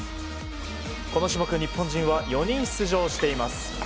この種目、日本人は４人出場しています。